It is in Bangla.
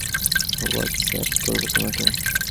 হোয়াটসএ্যাপ করব তোমাকে।